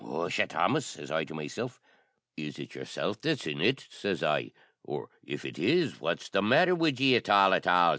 "Musha Thomas," sez I to meself, "is it yerself that's in it?" sez I; "or, if it is, what's the matter wid ye at all, at all?"